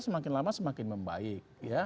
semakin lama semakin membaik